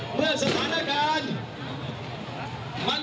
เมื่อสถานการณ์